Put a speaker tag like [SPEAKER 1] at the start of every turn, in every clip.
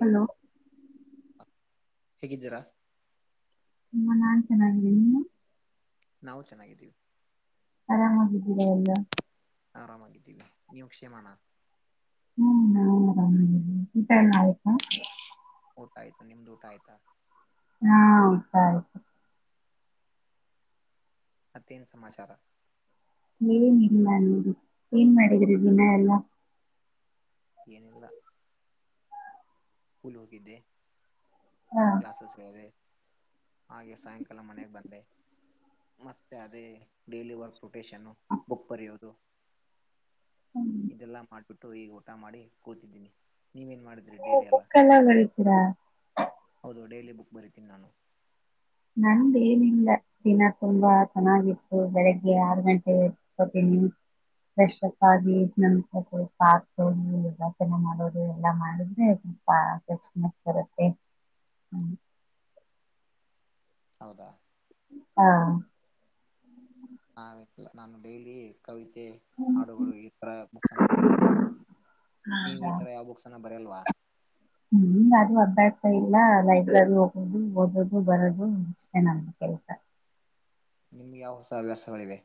[SPEAKER 1] Hello?
[SPEAKER 2] ಹೇಗಿದ್ದೀರಾ?
[SPEAKER 1] ಹ ನಾನ್ ಚೆನ್ನಾಗಿಡ್ಡಿನ್ ನೀನು?
[SPEAKER 2] ನಾವು ಚೆನ್ನಾಗಿದ್ದೀವಿ.
[SPEAKER 1] ಆರಾಮಾಗಿದ್ದಿರ ಎಲ್ಲ
[SPEAKER 2] ನಿವು ಕ್ಷೇಮನಾ?
[SPEAKER 1] ಹ್ಮ್ ನವು ಆರಾಮ [unintelligible] ಉಟ ಯೆಲ್ಲಾ ಆಯ್ತಾ
[SPEAKER 2] ಆಯ್ತು ನಿಮ್ದ್ ಊಟ ಆಯ್ತಾ?
[SPEAKER 1] ಹ್ಮ ಊಟ ಆಯ್ತು.
[SPEAKER 2] ಮತ್ತೇನು ಸಮಾಚಾರ.
[SPEAKER 1] ಏನ ಇಲ್ಲ ನೋಡಿ ಏನ್ ಮಾಡಿದ್ರಿ ದಿನ ಎಲ್ಲ?
[SPEAKER 2] ಏನಿಲ್ಲ. ಸ್ಕುಲ್ ಹೋಗಿದ್ದೆ
[SPEAKER 1] ಹಾ
[SPEAKER 2] ಕ್ಲಾಸಸ್ಸ್ ಹೋದೆ. ಹಾಗೆ ಸಾಯಂಕಾಲ ಮನೆಗ್ ಬಂದೆ ಮತ್ತೆ ಅದೇ ಡೈಲಿ ವರ್ಕ್ ರೊಟೇಶನ್ನು ಬುಕ್ ಬರೆಯೋದು.
[SPEAKER 1] ಹ್ಮ್.
[SPEAKER 2] ಇದೆಲ್ಲ ಮಾಡ್ ಬಿಟ್ಟು ಈಗ ಊಟ ಮಾಡಿ ಕೂತಿದ್ದಿನಿ ನೀವ್ ಏನ್ ಮಾಡಿದ್ರಿ ಡೈಲಿ ಎಲ್ಲ
[SPEAKER 1] ಬುಕ್ಕೆಲ್ಲ ಬರೀತೀರಾ?
[SPEAKER 2] ಹೌದು ಡೈಲಿ ಬುಕ್ ಬರಿತೀನಿ ನಾನು.
[SPEAKER 1] ನಂದ್ ಏನಿಲ್ಲ ದಿನ ತುಂಬಾ ಚೆನ್ನಾಗಿತ್ತು ಬೆಳಗ್ಗೆ ಆರು ಗಂಟೆ ಕೋತೀನಿ ಫ್ರೆಶಪ್ ಆಗಿ ನಮ ಸ್ವಲ್ಪ [unintelligible] ಯೋಗಾಸನ ಮಾಡೋದು ಎಲ್ಲಾ ಮಾಡಿದ್ರೆ ಸ್ವಲ್ಪ [unintelligible] ಬರುತ್ತೆ ಹ್ಮ.
[SPEAKER 2] ಹೌದಾ
[SPEAKER 1] ಹಾ
[SPEAKER 2] ಹವೆತಲ್ಲ ನಾನು ಡೈಲಿ ಕವಿತೆ ಹಾಡುಗಳು ಈ ತರ ಬುಕ್ಸ್ನ್ನ ಬರಿತೀನಿ ನೀವು ಈ ತರ ಯಾವ ಬುಕ್ಸ್ನ ಬರೆಯಲ್ವಾ?
[SPEAKER 1] ಹ್ಮ ಅದು ಅಭ್ಯಾಸ ಇಲ್ಲ ಲೈಬ್ರರಿ ಹೋಗೋದು ಓದೋದು ಬರದು ಇಷ್ಟೇ ನಮ್ ಕೆಲ್ಸ.
[SPEAKER 2] ನಿಮ್ಗೆ ಯಾವ ಹೊಸ ಹವ್ಯಾಸಗಳಿವೆ.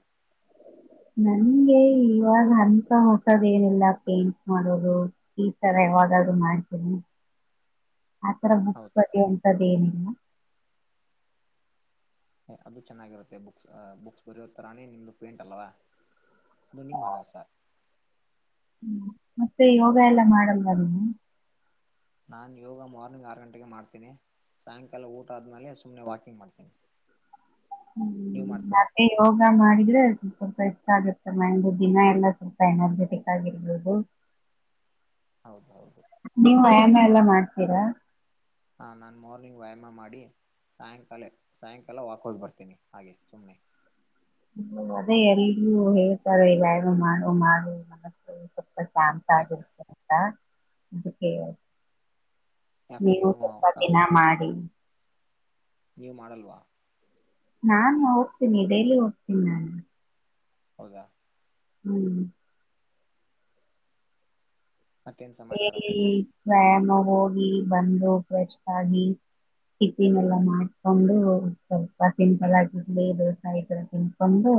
[SPEAKER 1] ನಂಗೆ ಇವಾಗ ಅಂತ ಹೊಸದೆನಿಲ್ಲ ಪೇಂಟ್ ಮಾಡೋದು ಈ ತರ ಯಾವಾಗಾದ್ರು ಮಾಡ್ತೀನಿ. ಆತರ
[SPEAKER 2] ಹೌದಾ
[SPEAKER 1] ಬುಕ್ಸ ಎಂತದೇನ್
[SPEAKER 2] ಅದು ಚೆನ್ನಾಗಿರುತ್ತೆ ಬುಕ್ಸ್ ಬುಕ್ಸ್ ಬರೆಯೋ ತರಾನೇ ನಿಮ್ದು ಪೇಂಟ್ ಅಲ್ವಾ ಇದು ನಿಮ್ಮ ಹವ್ಯಾಸ
[SPEAKER 1] ಹ್ಮ ಮತ್ತೆ ಯೋಗ ಎಲ್ಲಾ ಮಾಡಲ್ವ ನೀವು?
[SPEAKER 2] ನಾನು ಯೋಗ ಮಾರ್ನಿಂಗ್ ಆರು ಗಂಟೆಗೆ ಮಾಡ್ತೀನಿ ಸಾಯಂಕಾಲ ಊಟ ಆದ್ಮೇಲೆ ಸುಮ್ನೆ ವಾಕಿಂಗ್ ಮಾಡ್ತೀನಿ. ನೀವ್
[SPEAKER 1] ಹ್ಮ
[SPEAKER 2] ಮಾಡ್ತೀರಾ
[SPEAKER 1] ಮತ್ತೆ ಯೋಗ ಮಾಡಿ. ಇದ್ರೆ ಸ್ವಲ್ಪ ಫ್ರೆಶ್ ಆಗುತ್ತೆ ಮೈಂಡ್ ದಿನ ಎಲ್ಲ ಸ್ವಲ್ಪ ಎನರ್ಜೆಟಿಕ್ ಆಗಿರ್ಬೋದು.
[SPEAKER 2] ಹೌದ್ ಹೌ
[SPEAKER 1] ನೀವು ವ್ಯಾಯಾಮ ಎಲ್ಲ ಮಾಡ್ತೀರಾ?
[SPEAKER 2] ಹಾ ನಾನು ಮಾರ್ನಿಂಗ್ ವ್ಯಾಯಾಮ ಮಾಡಿ ಸಾಯಂಕಾಲ ಸಾಯಂಕಾಲ ವಾಕ್ ಹೋಗಿ ಬರ್ತೀನಿ ಹಾಗೆ ಸುಮ್ಮನೆ.
[SPEAKER 1] ಹ್ಮ್ ಅದೇ ಎಲ್ಲೂ ಹೇಳ್ತಾರೆ ವ್ಯಾಯಾಮ ಮಾಡು ಮಾಡು ಮನಸ್ಸು ಸ್ವಲ್ಪ ಅಂತ
[SPEAKER 2] ಯಾಕ
[SPEAKER 1] ಆಗಿರ್ತ ಹಾ ಅದುಕ್ಕೆ ನೀವು ಸ್ವಲ್ಪ ದಿನ ಮಾಡಿ.
[SPEAKER 2] ನೀವು ಮಾಡಲ್ವಾ
[SPEAKER 1] ನಾನು ಹೋಗ್ತೀನಿ ಡೈಲಿ ಹೋಗ್ತೀನಿ ನಾನು
[SPEAKER 2] ಹೌದಾ
[SPEAKER 1] ಹ್ಮ್
[SPEAKER 2] ಮತ್ತೇನ್ ಸಮಾಚಾರ.
[SPEAKER 1] ಡೈಲಿ ವ್ಯಾಯಾಮ ಹೋಗಿ ಬಂದು ಫ್ರೆಶ ಆಗಿ ಟಿಫಿನೆಲ್ಲ ಮಾಡ್ಕೊಂಡು ಸ್ವಲ್ಪ ಸಿಂಪಲ್ ಆಗಿ ಇಡ್ಲಿ ದೋಸ ಈತರ ತಿನ್ಕೊಂಡು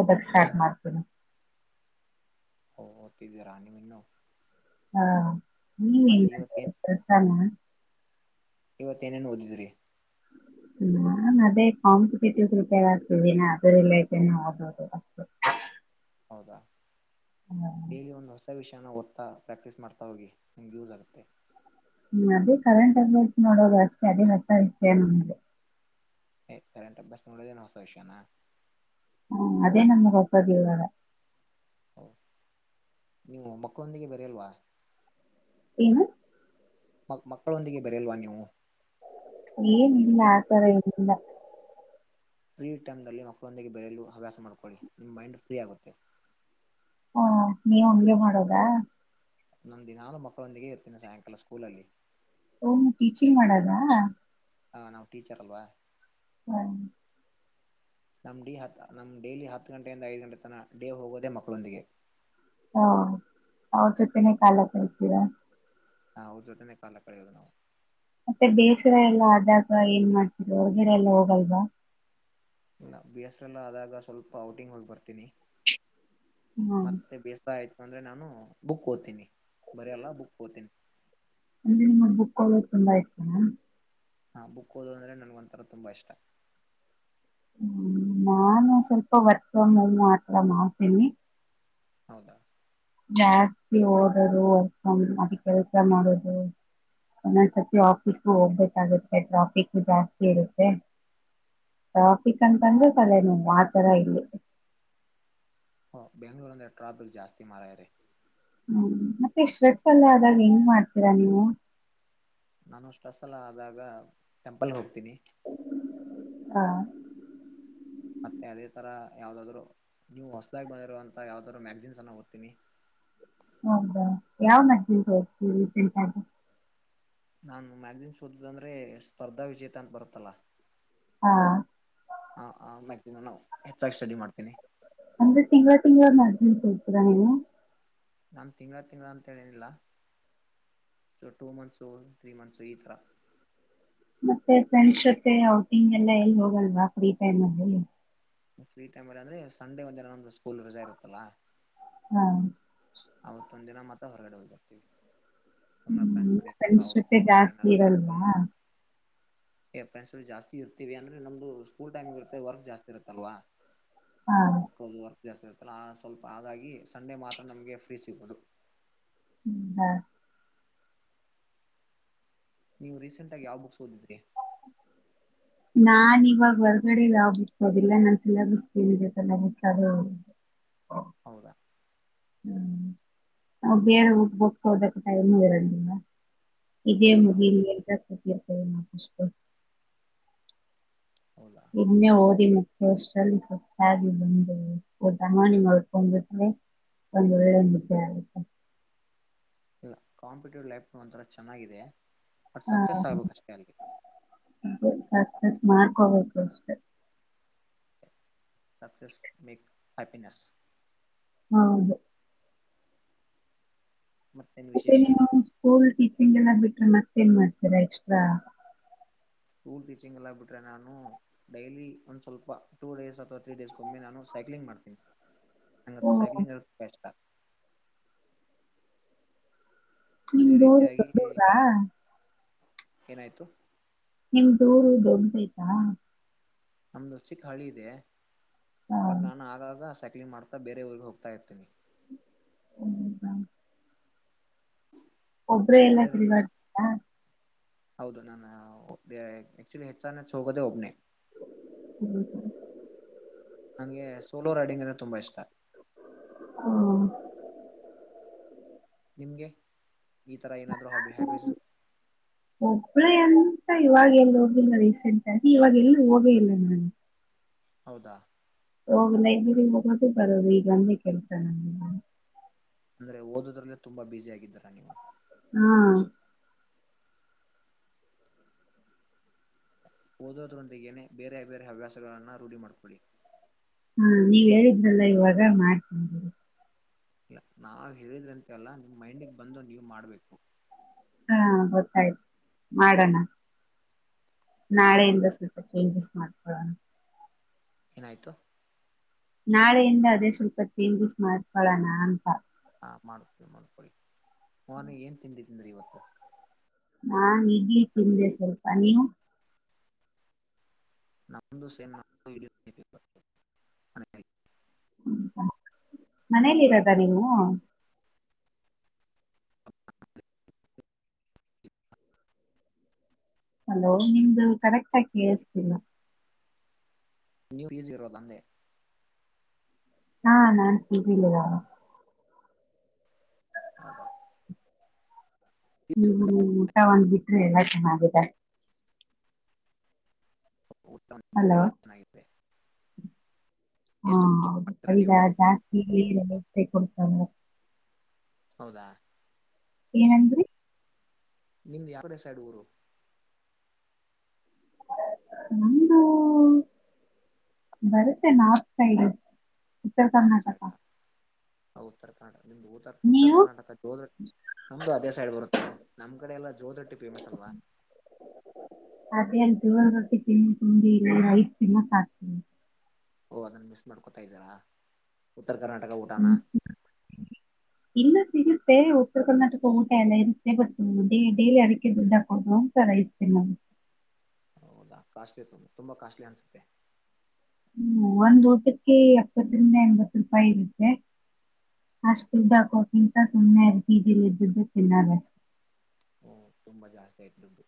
[SPEAKER 1] ಓದಕ್ ಸ್ಟಾರ್ಟ್ ಮಾಡ್ತೀನಿ.
[SPEAKER 2] ಹ ಓದ್ತಿದ್ದಿರಾ ನಿವು ಇನ್ನು
[SPEAKER 1] ಹಾ ನೀವ್
[SPEAKER 2] ಮತ್ತ
[SPEAKER 1] ಏನ್ ಮಾಡ್ತಿರೋದ್ ಕೆಲ್ಸಾನ?
[SPEAKER 2] ಇವತ್ತ ಏನೇನ್ ಓದಿದ್ರಿ.
[SPEAKER 1] ನಾನ್ ಅದೇ ಕಾಂಪಿಟೇಟಿವ್ ಪ್ರಿಪೇರ್ ಆಗ್ತಿದ್ದೀನೀ ಅದ್ರು ರಿಲೇಟೆಡ್ ಓದೋದು.
[SPEAKER 2] ಹೌದಾ
[SPEAKER 1] ಹ್ಮ್,
[SPEAKER 2] ಡೈಲಿ ಒಂದ್ ಹೊಸ ವಿಷ್ ಓದ್ತಾ ಪ್ರಾಕ್ಟೀಸ್ ಮಾಡ್ತಾ ಹೋಗಿ ನಿಮಗೆ ಯೂಸ್ ಆಗುತ್ತೆ.
[SPEAKER 1] ಅದೇ ಕರೆಂಟ್ [unintelligible] ನೋಡೋದು ಅಷ್ಟೇ ಅದೇ ಅದೇನ್ ಹೊಸ ವಿಷ್ಯ [unintelligible]
[SPEAKER 2] ಕರೆಂಟ್ ಅಫೇರ್ಸ್ ನೋಡದೇನ್ ಹೊಸ ವಿಷ್ಯಾನ?
[SPEAKER 1] ಹ್ಮ ಅದೇ ನಮಗೆ ಹೊಸಾದ್ [unintelligible]
[SPEAKER 2] ನೀವು ಮಕ್ಕೋಂದಿಗೆ ಬರಿಯಲ್ವಾ?
[SPEAKER 1] ಏನು?
[SPEAKER 2] ಮ ಮಕ್ಕಳೊಂದಿಗೆ ಬರೆಯಲ್ವಾ ನೀವು.
[SPEAKER 1] ಏನಿಲ್ಲ ಆ ತರ ಏನಿಲ್ಲ.
[SPEAKER 2] ಫ್ರೀ ಟೈಮನಲ್ಲಿ ಮಕ್ಕಳೊಂದಿಗೆ ಬೆರೆಯಲು ಹವ್ಯಾಸ ಮಾಡ್ಕೊಳ್ಳಿ ನಿಮ್ ಮೈಂಡ್ ಫ್ರೀ ಆಗುತ್ತೆ.
[SPEAKER 1] ಹಾ ನೀವು ಹಂಗೆ ಮಾಡೋದಾ?
[SPEAKER 2] ನಾನು ದಿನಾಲು ಮಕ್ಕಳೊಂದಿಗೆ ಇರ್ತೀನಿ ಸಾಯಂಕಾಲ ಸ್ಕೂಲಲ್ಲಿ.
[SPEAKER 1] ಓ ನೀವ್ ಟೀಚಿಂಗ್ ಮಾಡದ?
[SPEAKER 2] ಹಾ ನಾವು ಟೀಚರ್ ಅಲ್ವಾ
[SPEAKER 1] ಹ್ಮ್
[SPEAKER 2] ನಮ್ ಡಿ ಹತ್ತ ನಮ್ ಡೇಲಿ ಹತ್ ಗಂಟೆಯಿಂದ ಐದ್ ಗಂಟೆ ತನ ಡೇ ಹೋಗೋದೆ ಮಕ್ಳೊಂದಿಗೆ.
[SPEAKER 1] ಹಾ ಅವ್ರ್ ಜೊತೆನೆ ಕಾಲ ಕಳಿತಿರಾ?
[SPEAKER 2] ಹಾ ಅವ್ರ್ ಜೊತೆನೆ ಕಾಲ ಕಳೆಯೋದು ನಾವು.
[SPEAKER 1] ಮತ್ತೆ ಬೇಸ್ರ ಎಲ್ಲಾ ಆದಾಗ ಏನ್ ಮಾಡ್ತಿರೋ ಹೊರ್ಗಡೆ ಎಲ್ಲ ಹೋಗಲ್ವಾ?
[SPEAKER 2] ಇಲ್ಲ ಬೇಸ್ರ ಎಲ್ಲಾ ಆದಾಗ ಸ್ವಲ್ಪ ಔಟಿಂಗ್ ಹೋಗ್ ಬರ್ತಿನಿ
[SPEAKER 1] ಹ್ಮ್
[SPEAKER 2] ಮತ್ತೆ ಬೇಸ್ರ ಆಯ್ತು ಅಂದ್ರೆ ನಾವ್ ನೂ ಬುಕ್ ಓದ್ತಿನಿ. ಬರ್ಯಲ್ಲ ಬುಕ್ ಓದ್ತಿನಿ.
[SPEAKER 1] ನಿಮ್ಗ್ ಬುಕ್ ಓದೋದ್ ತುಂಬಾ ಇಷ್ಟನಾ?
[SPEAKER 2] ಹಾ ಬುಕ್ ಓದದ್ ಅಂದ್ರೆ ನನ್ಗ್ ಒಂಥರ ತುಂಬಾ ಇಷ್ಟ.
[SPEAKER 1] ಹ್ಮ್ ನಾನೂ ಸ್ವಲ್ಪ ವರ್ಕ್ ಫ್ರಮ್ ಹೋಮ್ ಆ ತರ ಮಾಡ್ತೀನಿ.
[SPEAKER 2] ಹೌದಾ?
[SPEAKER 1] ಜಾಸ್ತಿ ಓದೊದು ವರ್ಕ್ ಫ್ರಂ ಅದ್ ಕೆಲ್ಸ ಮಾಡೊದು, ಒಂದೊಂದ್ ಸತಿ ಆಫೀಸ್ಗೂ ಹೋಗ್ಬೇಕಾಗುತ್ತೆ ಟ್ರಾಫಿಕು ಜಾಸ್ತಿ ಇರುತ್ತೆ ಟ್ರಾಫಿಕ್ ಅಂತಂದ್ರೆ ತಲೆ ನೋವು ಆತರ ಇಲ್ಲಿ.
[SPEAKER 2] ಹು ಬ್ಯಾಂಗ್ಳೂರ್ ಅಂದ್ರೆ ಟ್ರಾಫಿಕ್ ಜಾಸ್ತಿ ಮಾರಾಯ್ರೆ.
[SPEAKER 1] ಹ್ಮ್ ಮತ್ತೆ ಸ್ಟ್ರೆಸ್ ಎಲ್ಲ ಆದಾಗ್ ಎಂಗ್ ಮಾಡ್ತೀರಾ ನೀವು?
[SPEAKER 2] ನಾನು ಸ್ಟ್ರೆಸ್ ಅಲ್ಲ ಆದಾಗ ಟೆಂಪಲ್ಗ್ ಹೋಗ್ತೀನಿ.
[SPEAKER 1] ಹಾ.
[SPEAKER 2] ಮತ್ತೆ ಅದೇ ತರ ಯಾವ್ದಾದ್ರು ನ್ಯೂ ಹೊಸ್ದಾಗ್ ಬಂದಿರುವಂತ ಯಾವ್ದಾದ್ರು ಮ್ಯಾಗಜಿನ್ಸ್ ಅನ್ನ ಓದ್ತೀನಿ.
[SPEAKER 1] ಹೌದಾ, ಯಾವ್ ಮ್ಯಾಗಜೀನ್ಸ್ ಓದ್ರೀ ರೀಸೆಂಟಾಗಿ?
[SPEAKER 2] ನಾನು ಮ್ಯಾಗಜಿನ್ಸ ಓದೋದ್ ಅಂದ್ರೆ ಸ್ಪರ್ಧಾ ವಿಜೇತ ಅಂತ್ ಬರತ್ ಅಲ್ಲ
[SPEAKER 1] ಹಾ
[SPEAKER 2] ಆ ಆ ಮ್ಯಗ್ ದಿನಾನೂ ಹೆಚ್ಚಾಗ್ ಸ್ಟಡಿ ಮಾಡ್ತೀನಿ.
[SPEAKER 1] ಅಂದ್ರೆ ತಿಂಗ್ಳ ತಿಂಗ್ಳದ್ ಮ್ಯಾಗಜೀನ್ಸ್ ಓದ್ತಿರ ನೀವು?
[SPEAKER 2] ನಾನ್ ತಿಂಗ್ಳ ತಿಂಗ್ಳ ಅಂತೇಳೇನಿಲ್ಲ so two months three months ಈ ತರ
[SPEAKER 1] ಮತ್ತೆ ಫ್ರೆಂಡ್ಸ್ ಜೊತೆ ಔಟಿಂಗ್ ಎಲ್ಲ ಎಲ್ ಹೋಗಲ್ವಾ ಫ್ರೀ ಟೈಮ್ ಅಲ್ಲಿ?
[SPEAKER 2] ಫ್ರೀ ಟೈಮ್ ಅಲ್ ಅಂದ್ರೆ ಸಂಡೆ ಒಂದ್ [unintelligible] ಸ್ಕೂಲ್ ರಜಾ ಇರುತ್ತಲ್ಲಾ
[SPEAKER 1] ಹ್ಞಾಂ.
[SPEAKER 2] ಅವತ್ತೊಂದ್ ದಿನ ಮಾತ್ರ ಹೊರಗಡೆ ಹೋಗ್ತರ್ತವಿ
[SPEAKER 1] ಹ್ಮು ಫ್ರೆಂಡ್ಸ್ ಜೊತೆ ಜಾಸ್ತಿ ಇರಲ್ವಾ?
[SPEAKER 2] ಏ ಫ್ರೆಂಡ್ಸ್ ಗುಳ್ ಜಾಸ್ತಿ ಇರ್ತೀವಿ ಅಂದ್ರೆ ನಮ್ದು ಸ್ಕೂಲ್ ಟೈಮ್ಗ್ ಇರುತ್ತೆ ವರ್ಕ್ ಜಾಸ್ತಿ ಇರುತ್ತಲ್ವಾ
[SPEAKER 1] ಹಾ
[SPEAKER 2] ಮಕ್ಳದ್ ವರ್ಕ್ ಜಾಸ್ತಿ ಇರುತ್ತಲ್ಲ ಆ ಸ್ವಲ್ಪ ಹಾಗಾಗಿ ಸಂಡೆ ಮಾತ್ರ ನಮ್ಗೆ ಪೀಸಿ ಮದು.
[SPEAKER 1] ಹ್ಮುಹಾ.
[SPEAKER 2] ನೀವು ರೀಸೆಂಟಾಗ್ ಯಾವ್ ಬುಕ್ಸ್ ಓದಿದ್ರಿ?
[SPEAKER 1] ನಾನ್ ಇವಾಗ ಹೊರರ್ಗಡೆ ಯಾವ್ ಬಿಟ್ ಅದಿಲ್ಲ ನನ್ಸಲಿಸಏನ್ದೆತ್ತಲ್ಲ
[SPEAKER 2] ಹೌದಾ
[SPEAKER 1] ನಾ ಬೇರೆ ಊಟ ಹೋಗ್ಕೋದಕ್ಕೆ ಟೈಮು ಇರಗಿಲ್ಲ ಇದೇ
[SPEAKER 2] ಹೌದಾ ಹೌದು
[SPEAKER 1] ಮುಗಲಿ ಎತಿರ್ತೇವೆ ನಾ ಅರಿ [unintelligible]
[SPEAKER 2] ಹೌದಾ
[SPEAKER 1] ಷ್ಟಲ್ಲಿ ಸವಸ್ತಾಗಿ ಬಂದುಡಮಾಣಿ ಮಾಡಕೊಂಡಿ ಒಂದು ವೇಳೆ ಮುಖೆ ಆಗುತ್ತೆ
[SPEAKER 2] ಇಲ್ಲ ಕಾಂಪ್ಯೂಟರ್ ಲ್ಯಾಪ್ಟಾಪ್ ಒಂತರ ಚೆನ್ನಾಗಿದೆ ಬಟ್
[SPEAKER 1] ಹಾ
[SPEAKER 2] ಸಕ್ಸಸ್ ಆಗ್ಬೇಕು ಅಷ್ಟೇ ಅಲ್ಲಿ
[SPEAKER 1] ಸಾತ್ ಸತ್ ಮಾಡ್ಕೋಬೇಕು ಅಷ್ಟೆ
[SPEAKER 2] ಸಕ್ಸಸ್ ಮೇಕ್ ಹ್ಯಾಪಿನೆಸ್
[SPEAKER 1] ಹೌದು
[SPEAKER 2] ಮತ್ತೇನು
[SPEAKER 1] ಮತ್ತೆ
[SPEAKER 2] ವಿಶೇಷ
[SPEAKER 1] ನೀವು ಸ್ಕೂಲ್ ಟೀಚಿಂಗ್ ಎಲ್ಲ ಬಿಟ್ಟ ಮತ್ತೇನ್ ಮಾಡ್ತೀರಾ ಎಕ್ಸ್ಟ್ರಾ
[SPEAKER 2] ಸ್ಕೂಲ್ ಟೀಚಿಂಗ್ ಎಲ್ಲ ಬಿಟ್ರೆ ನಾನು ಡೈಲಿ ಒಂದ್ ಸ್ವಲ್ಪ ಟೂ ಡೇಸ್ ಅಥವಾ ತ್ರೀ ಡೇಸ್ ಕೊಮ್ಮೆ ನಾನು ಸೈಕ್ಲಿಂಗ್ ಮಾಡ್ತೀನಿ ನನಗೆ
[SPEAKER 1] ಓ
[SPEAKER 2] ಸೈಕ್ಲಿಂಗ್ ಅಂದ್ರೆ ಕಷ್ಟ
[SPEAKER 1] ಹ್ಮ
[SPEAKER 2] ಅದೇ
[SPEAKER 1] ದೂರ
[SPEAKER 2] ರೀತಿಯಾಗಿ
[SPEAKER 1] ದೂರಾ
[SPEAKER 2] ಏನಾಯ್ತು
[SPEAKER 1] ನಿಮ್ದೂರು ದೊಡ್ಡದಯ್ತಾ
[SPEAKER 2] ನಮ್ದು ಚಿಕ್ಕ ಹಳಿ ಇದೆ
[SPEAKER 1] ಹಾ
[SPEAKER 2] ಬಟ್ ನಾನು ಆಗಾಗ ಸೈಕ್ಲಿಂಗ್ ಮಾಡ್ತಾ ಬೇರೆ ಊರುರ್ಗೆ ಹೋಗ್ತಾ ಇರ್ತೀನಿ
[SPEAKER 1] ಹದ [unintelligible] ಒಬ್ರೇ ಎಲ್ಲ
[SPEAKER 2] ಅದೇ ರೀತಿ
[SPEAKER 1] ತಿರಿಗತಾರಾ
[SPEAKER 2] ಹೌದು ನಾನು ಒ ಆಕ್ಚುಲಿ ಹೆಚ್ಚ ನೆಚ್ ಹೋಗೋದೇ ಒಬ್ಬನೆ
[SPEAKER 1] ಹ್ಮ್ ಹ್ಮ
[SPEAKER 2] ನಂಗೆ ಸೋಲೋ ರೈಡಿಂಗ್ ಅಂದ್ರೆ ತುಂಬಾ ಇಷ್ಟ
[SPEAKER 1] ಹ
[SPEAKER 2] ನಿಮ್ಗೆ ಈ ತರ ಏನಾದ್ರು ಹಾಬಿ ಹ್ಯಾಬೀಸ್
[SPEAKER 1] ಒಬ್ಬಳೇ ಏನು ಅಂತ ಇವಾಗ ಎಲ್ಲಿ ಹೋಗಿಲ್ಲ ರೀಸೆಂಟ್ ಆಗಿ ಇವಾಗ ಎಲ್ಲ ಹೋಗಿಲ್ಲ ನಾನು
[SPEAKER 2] ಹೌದಾ
[SPEAKER 1] ಹೋಗಲ [unintelligible] ಬರೋದು ಈಗಂದೆ ಕೆಲ್ಸ ನ
[SPEAKER 2] ಅಂದ್ರೆ ಓದದ್ರಲ್ಲೇ ತುಂಬಾ ಬ್ಯುಸಿ ಆಗಿದ್ದೀರಾ ನೀವು
[SPEAKER 1] ಹ್ಮ
[SPEAKER 2] ಓದೋದ್ರೊಂದಿಗನೆ ಬೇರೆ ಬೇರೆ ಹವ್ಯಾಸಗಳನ್ನ ರೂಢಿ ಮಾಡ್ಕೊಳ್ಳಿ
[SPEAKER 1] ಹಾ ನೀವ್ ಹೇಳಿದ್ರಲ್ಲ ಇವಾಗ ಮಾಡ್ತೀನಿ ಬಿಡಿ
[SPEAKER 2] ಇಲ್ಲ ನಾವು ಹೇಳಿದ್ರಂತೆ ಅಲ್ಲ ನಿಮ್ ಮೈಂಡಿಗೆ ಬಂದು ನೀವು ಮಾಡ್ಬೇಕು
[SPEAKER 1] ಹ ಗೊತ್ತಾಯ್ತು ಮಾಡೋಣ ನಾಳಿಂದ ಸ್ವಲ್ಪ ಚೇಂಜಸ್ ಮಾಡ್ಕೊಳ್ಳೋಣ
[SPEAKER 2] ಏನಾಯ್ತು
[SPEAKER 1] ನಾಳೆಯಿಂದ ಅದೇ ಸ್ವಲ್ಪ ಚೇಂಜಸ್ ಮಾಡ್ಕೊಳೋಣ ಅಂತ
[SPEAKER 2] ಹಾ ಮಾಡ್ಕೊಳಿ ಮಾಡ್ಕೊಳಿ ಮೋನಿ ಏನ್ ತಿಂದಿ ತಿಂದ್ರಿ ಇವತ್ತು
[SPEAKER 1] ನಾನ್ ಇಡ್ಲಿ ತಿಂದೆ ಸ್ವಲ್ಪ ನೀವು?
[SPEAKER 2] ನಮ್ದು ಸೇಮ್ ನಾವು [unintelligible] [unintelligible]
[SPEAKER 1] [unintelligible] ಮನೇಲಿರೋದ ನೀವು? ಹಲೋ ನಿಮ್ದು ಕರೆಕ್ಟ್ಆಗ್ ಕೇಳಸ್ತಿಲ್ಲ.
[SPEAKER 2] ನೀವ್ ಲೀಸ್ಗಿರೋದ ಅಂದೆ?
[SPEAKER 1] ಹಾ ನಾನ್ ಪಿಜಿ ಲಿರೋ [unintelligible]
[SPEAKER 2] ಹೌದಾ?
[SPEAKER 1] ಹ್ಮ್ ಹ್ಮ್ ಊಟ ಒಂದ್ ಬಿಟ್ ಬೇರೆ ಎಲ್ಲ ಚೆನ್ನಾಗಿದೆ.
[SPEAKER 2] [unintelligible] [unintelligible]
[SPEAKER 1] ಹಲೋ
[SPEAKER 2] ಎಲ್ಲಾ ಚೆನ್ನಾಗಿದೆ.
[SPEAKER 1] ಹಾ ಹೌದು
[SPEAKER 2] ಎಷ್ಟು
[SPEAKER 1] ಈಗ
[SPEAKER 2] ನೀವು
[SPEAKER 1] ಜಾಸ್ತಿ [unintelligible] ಕೈ ಕೊಡ್ತಾರಾ?
[SPEAKER 2] ಹೌದಾ?
[SPEAKER 1] ಏನಂದ್ರಿ?
[SPEAKER 2] ನಿಮ್ದ್ ಯಾವ್ಕಡೆ ಸೈಡ್ ಊರು?
[SPEAKER 1] ನಮ್ದೂ ಬರುತ್ತೆ ನಾರ್ತ್ ಸೈಡು ಉತ್ತರ್ ಕರ್ನಾಟಕ.
[SPEAKER 2] ಹ ಉತ್ತರ ಕರ್ನಾಟ ನಿಮ್ದು ಉತ್ತರ್ ಉತ್ತರ್
[SPEAKER 1] ನೀವು
[SPEAKER 2] ಕರ್ನಾಟಕ ಜೋದ್ರ್, ನಮ್ದು ಅದೇ ಸೈಡ್ ಬರುತ್ತೆ ನಮ್ ಕಡೆ ಎಲ್ಲಾ ಜೋದ್ರಟ್ಟಿ ಫೇಮಸ್ ಅಲ್ವಾ?
[SPEAKER 1] ಜೋಳದ್ ರೊಟ್ಟಿ ತಿಂದ್ ತಿಂದಿ ರೈಸ್ ತಿನ್ನಕಾಗ್ತಿ
[SPEAKER 2] ಓ ಅದನ್ ಮಿಸ್ ಮಾಡ್ಕೊತಾ ಇದ್ದೀರಾ? ಉತ್ತರ್ ಕರ್ನಾಟಕ ಊಟಾನ?
[SPEAKER 1] ಇಲ್ಲ ಸಿಗುತ್ತೆ ಉತ್ತರ್ ಕರ್ನಾಟಕ ಊಟ ಎಲ್ಲ ಇರುತ್ತೆ ಬಟ್ ಡೇ ಡೇಲಿ ಅದಕ್ಕೆ ದುಡ್ಡಾಕೋದು ಅಂತ ರೈಸ್ ತಿನ್ನೋದು.
[SPEAKER 2] ಹೌದಾ ಕಾಸ್ಟ್ಲಿ ಇರ್ತದೆ ತುಂಬಾ ಕಾಸ್ಟ್ಲಿ ಅನ್ಸುತ್ತೆ.
[SPEAKER 1] ಹ್ಮ್ ಒಂದ್ ಊಟಕ್ಕೆ ಎಪ್ಪತ್ತರಿಂದ ಎಂಬತ್ ರೂಪಾಯಿ ಇರುತ್ತೆ ಅಷ್ಟು ದುಡ್ಡ್ ಹಾಕೋಕ್ಕಿಂತ ಸುಮ್ಮ್ನೆ ಅಲ್ ಪಿ ಜಿ ಲಿದ್ದದ್ದು ತಿನ್ನಾದಷ್
[SPEAKER 2] ಹ್ಮ್ ತುಂಬಾ ಜಾಸ್ತಿ ಆಯ್ತು ದುಡ್ಡು.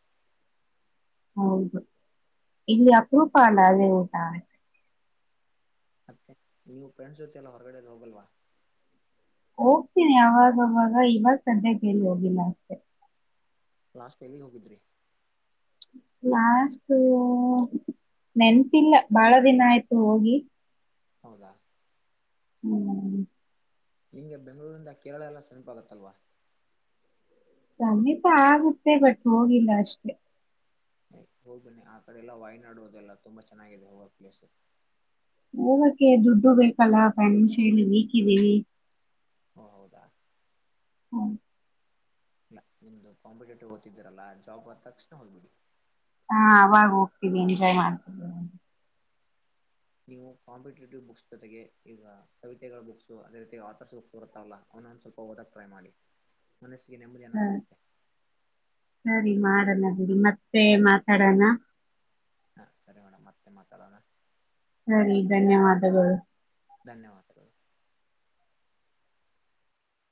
[SPEAKER 1] ಹೌದು ಇಲ್ಲಿ ಅಪರೂಪ ಅಲ್ಲ ಅಲ್ಲಿ ಊಟ.
[SPEAKER 2] ಮತ್ತೆ ನೀವು ಫ್ರೆಂಡ್ಸ್ ಜೊತೆ ಎಲ್ಲ ಹೊರಗಡೆ ಎಲ್ಲು ಹೋಗಲ್ವಾ?
[SPEAKER 1] ಹೋಗ್ತೀನಿ ಅವಾಗವಾಗ ಇವಾಗ್ ಸದ್ಯಕ್ ಎಲ್ ಹೋಗಿಲ್ಲ ಅಷ್ಟೆ.
[SPEAKER 2] ಲಾಸ್ಟ್ ಎಲ್ಲಿಗ್ ಹೋಗಿದ್ರಿ?
[SPEAKER 1] ಲಾಸ್ಟ್ ನೆನ್ಪಿಲ್ಲ ಬಾಳ ದಿನ ಆಯ್ತು ಹೋಗಿ.
[SPEAKER 2] ಹೌದಾ
[SPEAKER 1] ಹ್ಮ್.
[SPEAKER 2] ನಿಮ್ಗೆ ಬೆಂಗಳೂರಿಂದ ಕೇರಳ ಎಲ್ಲ ಸಮಿಪ ಆಗತ್ತಲ್ವ?
[SPEAKER 1] ಸಮೀಪ ಆಗುತ್ತೆ ಬಟ್ ಹೋಗಿಲ್ಲ ಅಷ್ಟೇ.
[SPEAKER 2] ಹೋಗ್ಬನ್ನಿ ಆ ಕಡೆ ಎಲ್ಲಾ ವಾಯ್ನಾಡು ಅದೆಲ್ಲ ತುಂಬಾ ಚೆನ್ನಾಗಿದೆ ಹೋಗಕ್ ಪ್ಲೇಸು.
[SPEAKER 1] ಹೋಗಕ್ಕೆ ದುಡ್ಡು ಬೇಕಲ್ಲ ಫೈನಾನ್ಷಿಯಲಿ ವೀಕ್ ಇದೆ.
[SPEAKER 2] ಓ ಹೌದಾ.
[SPEAKER 1] ಹ್ಮ.
[SPEAKER 2] ನಿಮ್ದು ಕಾಂಪಿಟೇಟಿವ್ ಓದ್ತಿದ್ದೀರಲ್ಲ ಜಾಬ್ ಆದ್ ತಕ್ಷಣ ಹೋಗ್ಬಿಡಿ.
[SPEAKER 1] ಹಾ ಅವಾಗ ಹೋಗ್ತೀವಿ ಎಂಜಾಯ್ ಮಾಡ್ತಿವಿ.
[SPEAKER 2] ನೀವು ಕಾಂಪಿಟೇಟಿವ್ ಬುಕ್ಸ್ ಜೊತೆಗೆ ಈಗ ಕವಿತೆಗಳ ಬುಕ್ಸ್ ಅದೇ ರೀತಿ ಆಥರ್ಸ್ ಬುಕ್ಸ್ ಬರ್ತ್ತಾವಲ್ಲ ಅವನೊಂದ್ ಸ್ವಲ್ಪ ಓದಕ್ ಟ್ರೈ ಮಾಡಿ. ಮನಸ್ಸಿಗೆ ನೆಮ್ಮದಿಯನ ಸಿಗುತ್ತೆ.
[SPEAKER 1] ಸರಿ ಮಾಡಣ ಬಿಡಿ ಮತ್ತೆ ಮಾತಾಡಣ.
[SPEAKER 2] ಹಾ ಸರಿ ಮೇಡಮ್ ಮತ್ತೆ ಮಾತಾಡೋಣ.
[SPEAKER 1] ಸರಿ ಧನ್ಯವಾದಗಳು.
[SPEAKER 2] ಧನ್ಯವಾದಗಳು.